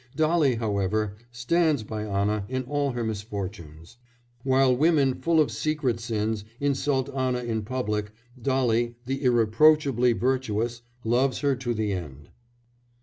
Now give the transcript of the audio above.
Dolly, however, stands by Anna in all her misfortunes; while women full of secret sins insult Anna in public, Dolly, the irreproachably virtuous, loves her to the end.